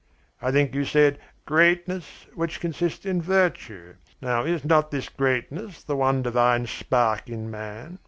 I think you said, Greatness, which consists in virtue. Now is not this greatness the one divine spark in man?